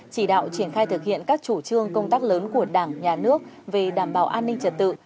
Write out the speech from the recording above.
chỉ đạo triển khai thực hiện các chủ trương công tác lớn của đảng nhà nước về đảm bảo an ninh trật tự